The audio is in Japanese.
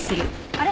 あれ？